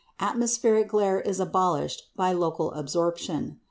Atmospheric glare is abolished by local absorption.